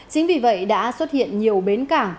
chính vì vậy đã xuất hiện nhiều bến cảng